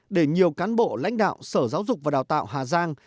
để nhiều cán bộ lãnh đạo sở giáo dục và đào tạo hà giang